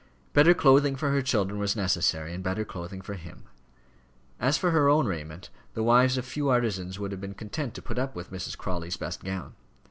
Better clothing for her children was necessary, and better clothing for him. As for her own raiment, the wives of few artisans would have been content to put up with Mrs. Crawley's best gown.